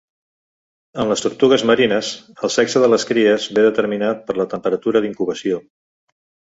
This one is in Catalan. En les tortugues marines, el sexe de les cries ve determinat per la temperatura d'incubació.